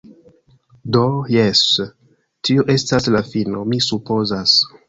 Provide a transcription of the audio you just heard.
Do, jes, tio estas la fino, mi supozas.